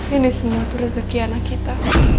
ini semua itu rezeki anak kita